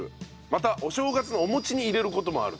またお正月のお餅に入れる事もあるという。